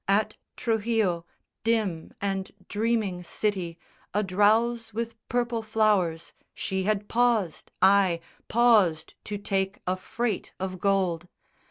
At Truxillo, dim And dreaming city, a drowse with purple flowers, She had paused, ay, paused to take a freight of gold!